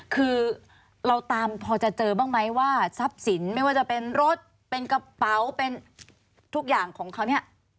คือเราตามพอจะเจอบ้างไหมว่าทรัพย์สินไม่ว่าจะเป็นรถเป็นกระเป๋าเป็นทุกอย่างของเขาเนี่ย